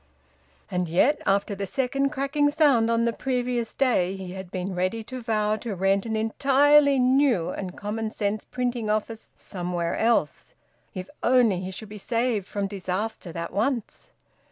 And yet, after the second cracking sound on the previous day, he had been ready to vow to rent an entirely new and common sense printing office somewhere else if only he should be saved from disaster that once!